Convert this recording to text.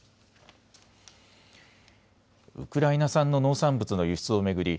ウクライナ産の農産物の輸出を巡り